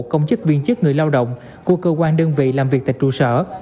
công chức viên chức người lao động của cơ quan đơn vị làm việc tại trụ sở